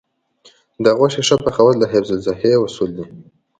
د غوښې ښه پخول د حفظ الصحې اصول دي.